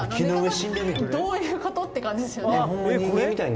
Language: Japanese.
どういうこと？って感じですよね